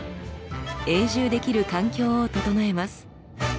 永住できる環境を整えます。